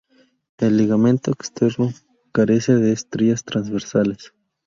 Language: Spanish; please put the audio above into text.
El ligamento externo carece de estrías transversales.